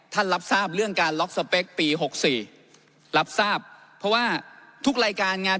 รับทราบเรื่องการล็อกสเปคปี๖๔รับทราบเพราะว่าทุกรายการงาน